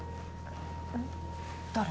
誰？